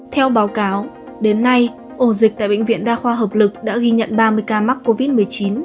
theo báo cáo đến nay ổ dịch tại bệnh viện đa khoa hợp lực đã ghi nhận ba mươi ca mắc covid một mươi chín